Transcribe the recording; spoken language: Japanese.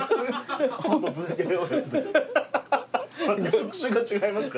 職種が違いますから。